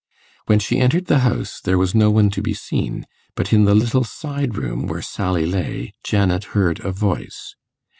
When she entered the house there was no one to be seen; but in the little sideroom where Sally lay, Janet heard a voice.